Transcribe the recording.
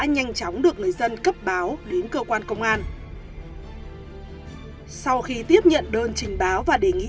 nhanh chóng được người dân cấp báo đến cơ quan công an sau khi tiếp nhận đơn trình báo và đề nghị